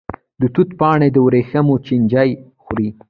د توت پاڼې د وریښمو چینجی خوري.